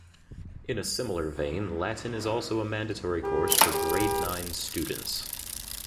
In a similar vein, Latin is also a mandatory course for grade nine students.